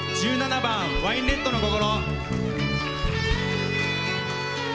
１７番「ワインレッドの心」。